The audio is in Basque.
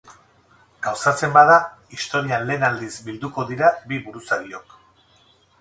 Gauzatzen bada, historian lehen aldiz bilduko dira bi buruzagiok.